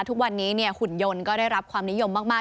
ทุกวันนี้หุ่นยนต์ก็ได้รับความนิยมมาก